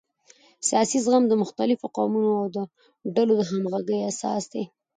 سیاسي زغم د مختلفو قومونو او ډلو د همغږۍ اساس دی